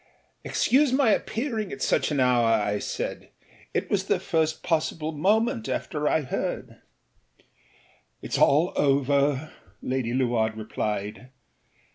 âExcuse my appearing at such an hour,â I said; âit was the first possible moment after I heard.â âItâs all over,â Lady Luard replied.